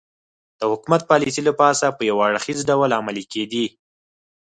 د حکومت پالیسۍ له پاسه په یو اړخیز ډول عملي کېدې